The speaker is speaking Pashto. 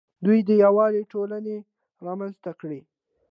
دوی د یووالي ټولنې رامنځته کړې